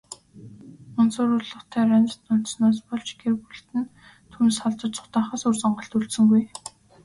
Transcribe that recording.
Мансууруулах тарианд донтсоноос болж, гэр бүлд нь түүнээс холдож, зугтаахаас өөр сонголт үлдсэнгүй.